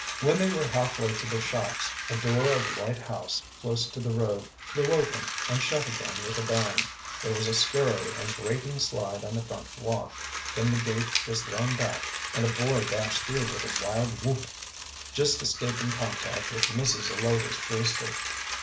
When they were half way to the shops, a door of a white house close to the road flew open and shut again with a bang, there was a scurry and grating slide on the front walk, then the gate was thrown back, and a boy dashed through with a wild whoop, just escaping contact with Mrs. Zelotes Brewster.